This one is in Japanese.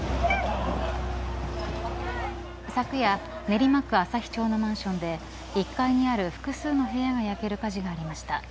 昨夜、練馬区旭町のマンションで１階にある複数の部屋が焼ける火事がありました。